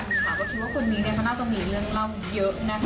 เพราะคิดว่าคนนี้ในภาษาตรงนี้เรื่องเล่าเยอะนะคะ